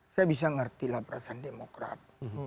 saya mengertilah perasaan demokrat